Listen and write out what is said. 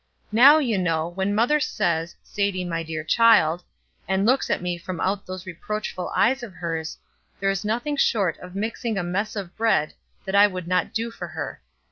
Now, you know, when mother says, 'Sadie, my dear child,' and looks at me from out those reproachful eyes of hers, there is nothing short of mixing a mess of bread that I would not do for her.